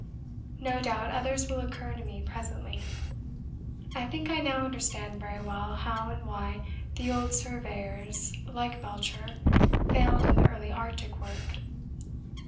No doubt others will occur to me presently. I think I now understand very well how and why the old surveyors (like Belcher) failed in the early Arctic work.